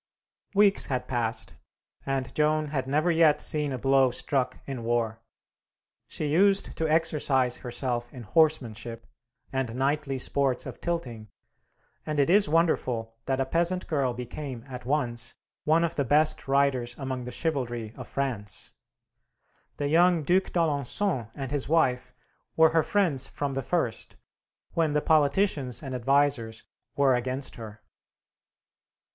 Weeks had passed, and Joan had never yet seen a blow struck in war. She used to exercise herself in horsemanship, and knightly sports of tilting, and it is wonderful that a peasant girl became, at once, one of the best riders among the chivalry of France. The young Duc d'Alençon and his wife were her friends from the first, when the politicians and advisers were against her.